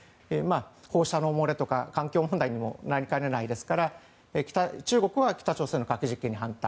放射能漏れとか環境問題にもなりかねないですから中国は北朝鮮の核実験に反対